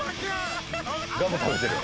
ガム食べてるよ。